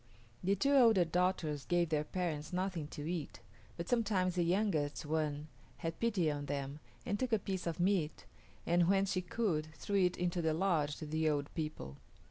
The two older daughters gave their parents nothing to eat, but sometimes the youngest one had pity on them and took a piece of meat and, when she could, threw it into the lodge to the old people.